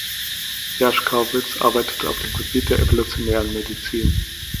Hershkovitz arbeitet auf dem Gebiet der Evolutionären Medizin.